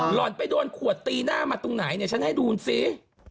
ห่อนไปโดนขวดตีหน้ามาตรงไหนเนี่ยฉันให้ดูสิ